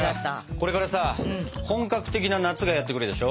これからさ本格的な夏がやって来るでしょ？